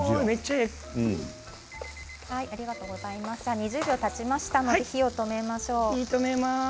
２０秒たちましたので火を止めましょう。